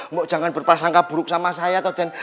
mbak jangan berpaksa gak buruk sama saya den